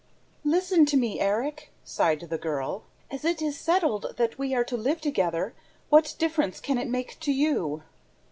"Listen to me, Erik," sighed the girl. "As it is settled that we are to live together ... what difference can it make to you?"